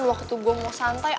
waktu gue mau santai